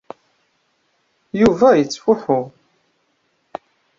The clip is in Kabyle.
Yuba yettfuḥu.